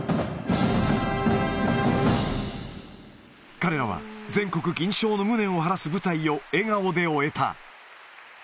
彼らは、全国銀賞の無念を晴らす舞台を、笑顔で終えた。